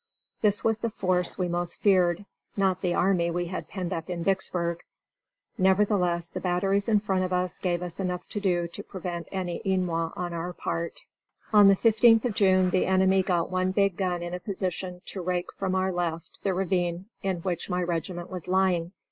This was the force we most feared, not the army we had penned up in Vicksburg. Nevertheless, the batteries in front of us gave us enough to do to prevent any ennui on our part. On the 15th of June the enemy got one big gun in a position to rake from our left the ravine in which my regiment was lying.